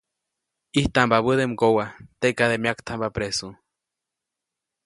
ʼIjtampabäde mgowa, teʼkade myaktamba presu.